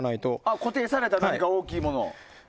固定された何か大きいものを？